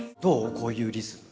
こういうリズム。